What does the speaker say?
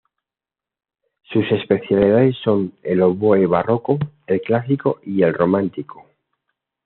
Sus especialidades son el oboe barroco, el clásico y el romántico.